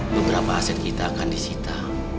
beberapa aset kita akan disita